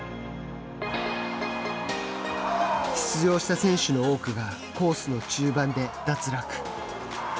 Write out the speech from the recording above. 出場した選手の多くがコースの中盤で脱落。